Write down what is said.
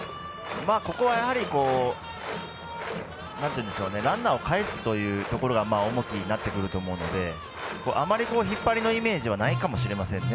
ここはやはり、ランナーをかえすというところが重きになってくるのであまり引っ張りのイメージはないかもしれませんね。